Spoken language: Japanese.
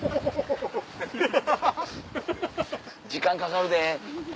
時間かかるで。